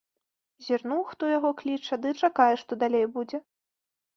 Зірнуў, хто яго кліча, ды чакае, што далей будзе.